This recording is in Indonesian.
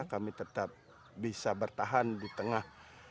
kami tetap bisa bertahan di tengah